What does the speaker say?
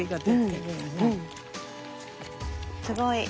すごい。